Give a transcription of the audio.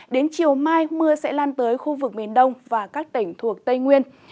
đến chiều mai mưa sẽ lan tới khu vực miền đông và các tỉnh thuộc tây nguyên